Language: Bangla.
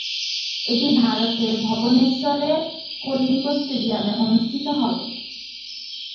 এটি ভারতের ভুবনেশ্বরে কলিঙ্গ স্টেডিয়ামে অনুষ্ঠিত হবে।